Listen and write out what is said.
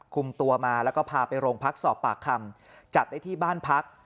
คุมตัวมาแล้วก็พาไปโรงพักสอบปากคำจับได้ที่บ้านพัก